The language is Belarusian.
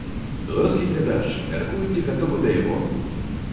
Беларускі глядач, мяркуеце, гатовы да яго?